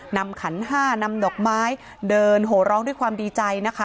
ขันห้านำดอกไม้เดินโหร้องด้วยความดีใจนะคะ